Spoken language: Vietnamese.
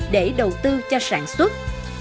để đầu tư cho sản xuất